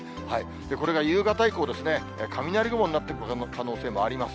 これが夕方以降、雷雲になってくる可能性もあります。